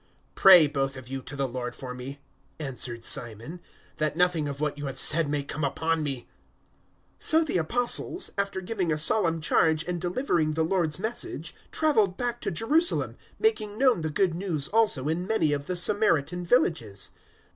008:024 "Pray, both of you, to the Lord for me," answered Simon, "that nothing of what you have said may come upon me." 008:025 So the Apostles, after giving a solemn charge and delivering the Lord's Message, travelled back to Jerusalem, making known the Good News also in many of the Samaritan villages.